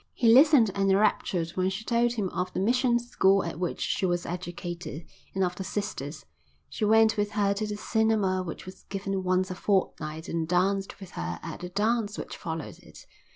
He listened enraptured when she told him of the mission school at which she was educated, and of the sisters. He went with her to the cinema which was given once a fortnight and danced with her at the dance which followed it.